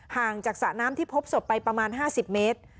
ห่างจากสระน้ำที่พบศพไปประมาณ๕๐เมตร